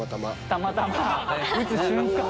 たまたま打つ瞬間を。